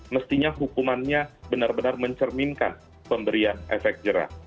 mestinya hukumannya benar benar mencerminkan pemberian efek jerah